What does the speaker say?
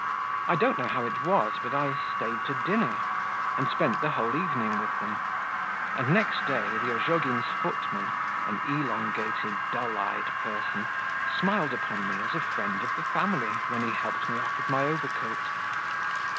I don't know how it was, but I stayed to dinner, and spent the whole evening with them; and next day the Ozhogins' footman, an elongated, dull eyed person, smiled upon me as a friend of the family when he helped me off with my overcoat.